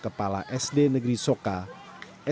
kepala sd negeri soekarno